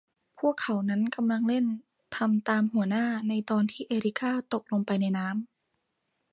พวกเขานั้นกำลังเล่น ทำตามหัวหน้า ในตอนที่ เอริก้าตกลงไปในแม่น้ำ